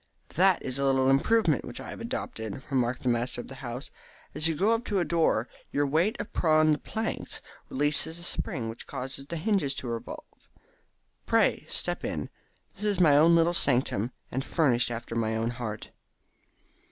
"That is a little improvement which I have adopted," remarked the master of the house. "As you go up to a door your weight upon the planks releases a spring which causes the hinges to revolve. Pray step in. This is my own little sanctum, and furnished after my own heart."